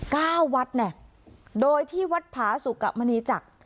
วัดเนี่ยโดยที่วัดผาสุกะมณีจักร